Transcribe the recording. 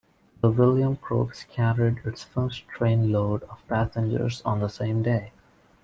The "William Crooks" carried its first train load of passengers on the same day.